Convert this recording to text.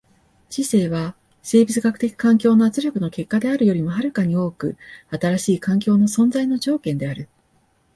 知性は生物学的環境の圧力の結果であるよりも遥かに多く新しい環境の存在の条件である。